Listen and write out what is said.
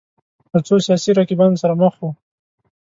له څو سیاسي رقیبانو سره مخ وو